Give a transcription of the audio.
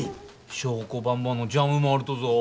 祥子ばんばのジャムもあるとぞぉ。